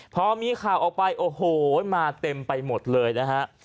พอมีข่าวออกไปโอ้โหมาเต็มไปหมดเลยนะฮะ